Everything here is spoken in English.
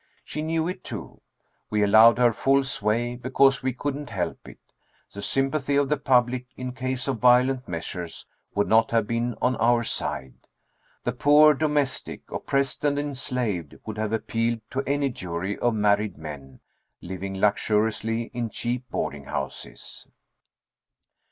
She knew it, too. We allowed her full sway, because we couldn't help it. The sympathy of the public, in case of violent measures, would not have been on our side. The poor domestic, oppressed and enslaved, would have appealed to any jury of married men, living luxuriously in cheap boarding houses!